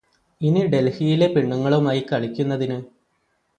ഇനി ഡൽഹിയിലെ പെണ്ണുങ്ങളുമായി കളിക്കുന്നതിന്